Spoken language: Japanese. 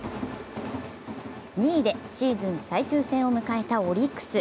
２位でシーズン最終戦を迎えたオリックス。